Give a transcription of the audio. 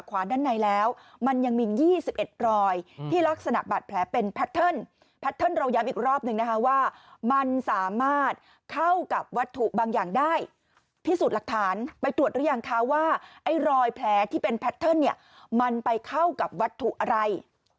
ว่ามันสามารถเข้ากับวัตถุบางอย่างได้พิสูจน์หลักฐานไปตรวจหรือยังค่ะว่าไอ้รอยแผลที่เป็นแพทเทิร์นเนี่ยมันไปเข้ากับวัตถุอะไร